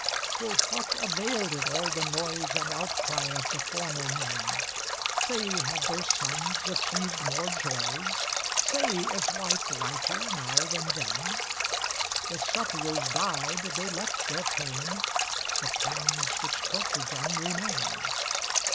For what availed it, all the noise And outcry of the former men? Say, have their sons achieved more joys, Say, is life lighter now than then? The sufferers died, they left their pain The pangs which tortured them remain.